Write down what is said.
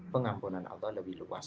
pengampunan allah lebih luas